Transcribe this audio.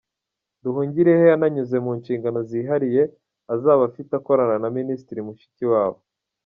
Nduhungirehe yananyuze mu nshingano zihariye azaba afite akorana na Minisitiri Mushikiwabo.